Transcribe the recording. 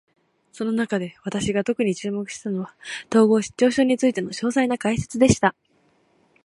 その中で、私が特に注目したのは、統合失調症についての詳細な解説でした。